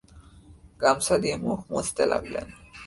গামছা দিয়ে মুখ মুছতে লাগলেন।